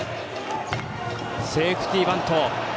セーフティバント。